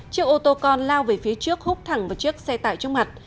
chiếc ô tô con lao về phía trước húc thẳng vào chiếc xe tải trong mặt